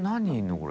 これ。